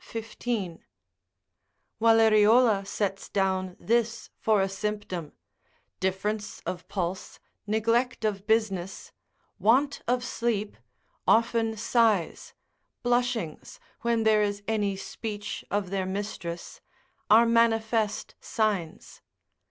Valleriola sets down this for a symptom, Difference of pulse, neglect of business, want of sleep, often sighs, blushings, when there is any speech of their mistress, are manifest signs.